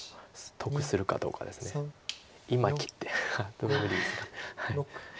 でも無理ですか。